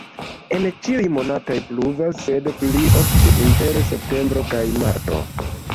En ĉiuj monatoj pluvas, sed pli ofte inter septembro kaj marto.